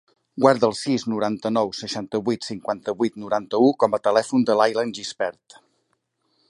Guarda el sis, noranta-nou, seixanta-vuit, cinquanta-vuit, noranta-u com a telèfon de l'Aylen Gispert.